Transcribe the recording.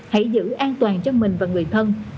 hãy giữ an toàn cho mình và người thân